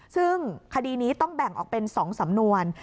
ซึ่งคดีนี้ต้องแบ่งออกเป็น๒สำนวน